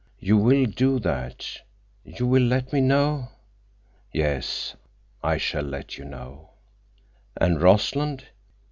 You will do that—you will let me know?" "Yes, I shall let you know." "And Rossland.